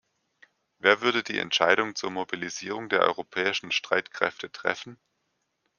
Wer würde die Entscheidung zur Mobilisierung der europäischen Streitkräfte treffen?